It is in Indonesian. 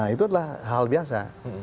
itu adalah hal biasa